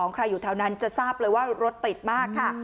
ใครอยู่แถวนั้นจะทราบเลยว่ารถติดมากค่ะ